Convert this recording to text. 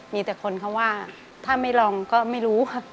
มีแต่คนเขาว่าถ้าไม่ลองก็ไม่รู้ค่ะ